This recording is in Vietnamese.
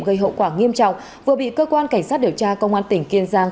gây hậu quả nghiêm trọng vừa bị cơ quan cảnh sát điều tra công an tỉnh kiên giang